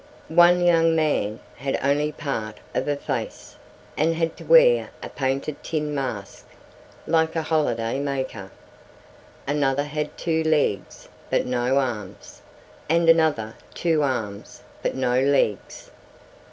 One young man had only part of a face, and had to wear a painted tin mask, like a holiday maker. Another had two legs but no arms, and another two arms but no legs.